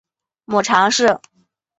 母常氏。